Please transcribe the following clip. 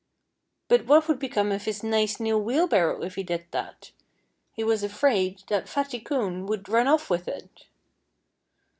But what would become of his nice new wheelbarrow if he did that? He was afraid that Fatty Coon would run off with it.